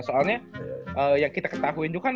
soalnya yang kita ketahui juga kan